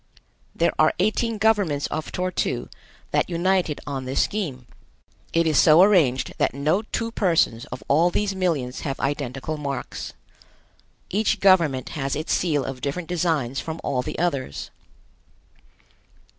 There are eighteen governments of Tor tu that united on this scheme. It is so arranged that no two persons of all these millions have identical marks. Each government has its seal of different designs from all the others.